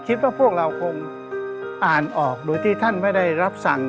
คิดว่าพวกเราคงอ่านออกโดยที่ท่านไม่ได้รับสั่ง